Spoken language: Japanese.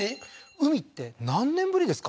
海って何年ぶりですか？